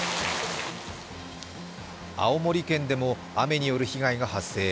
青森県でも雨による被害が発生。